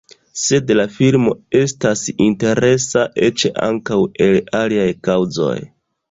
Sed la filmo estas interesa eĉ ankaŭ el aliaj kaŭzoj.